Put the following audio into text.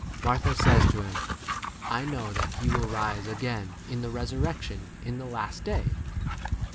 24 Martha says to him, I know that he will rise again in the resurrec 25 tion in the last day.